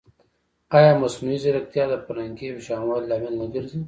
ایا مصنوعي ځیرکتیا د فرهنګي یوشان والي لامل نه ګرځي؟